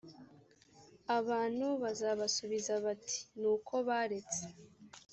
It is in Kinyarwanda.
abantu bazabasubiza bati ni uko baretse